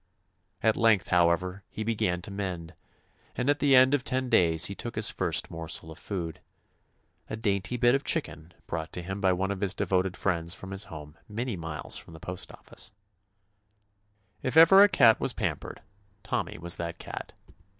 At length, however, he began to mend, and at the end of ten days he took his first morsel of food, Swathed from head to tail in soothing ointment. — a dainty bit of chicken brought to him by one of his devoted friends from his home many miles from the postoffice. Then if ever a cat was pampered Tommy was that cat.